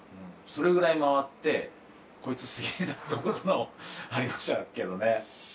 それぐらい回ってこいつ、すげえなと思ったのありましたけどね。